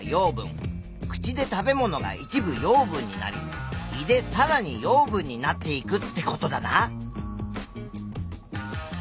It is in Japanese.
口で食べ物が一部養分になり胃でさらに養分になっていくってことだな。